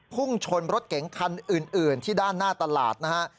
พุ่งชนรถเก๋งคันอื่นที่ด้านหน้าตลาดนะฮะ